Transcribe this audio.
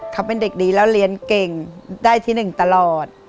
เขาเป็นเด็กดีแล้วเรียนเก่งได้ที่๑ตลอด